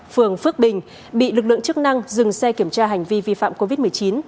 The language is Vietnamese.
phường phước bình bị lực lượng chức năng dừng xe kiểm tra hành vi vi phạm covid một mươi chín